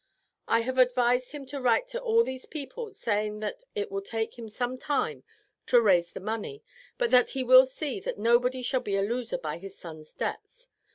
I have advised him to write to all these people saying that it will take him some time to raise the money, but that he will see that nobody shall be a loser by his son's debts.